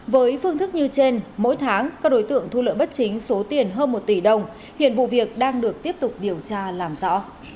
với phương thức như trên mỗi tháng các đối tượng thu lợi bất chính số tiền hơn một tỷ đồng hiện vụ việc đang được tiếp tục điều tra làm rõ